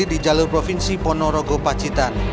di jalur provinsi ponorogo pacitan